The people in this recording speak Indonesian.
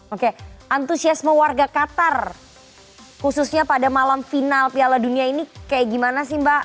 oke antusiasme warga qatar khususnya pada malam final piala dunia ini kayak gimana sih mbak